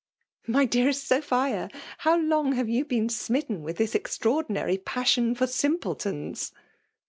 ''' My dearest Sophia! — how long have ^ou 1)ecn smitten with this extrac^dinary passion for simpletons?"